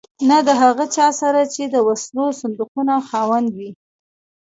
نه د هغه چا سره چې د وسلو صندوقونو خاوند وي.